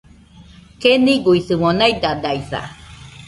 Keniguisɨmo naidaidaisa